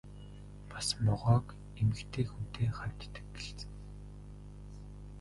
Бас могойг эмэгтэй хүнтэй хавьтдаг гэлцэнэ.